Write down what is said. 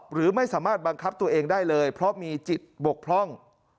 หรือไม่สามารถบังคับตัวเองได้เลยเพราะมีจิตบกพร่อง